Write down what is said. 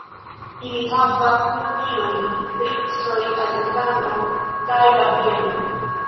Ili havas du filojn, princoj Aleksandro kaj Gabrielo.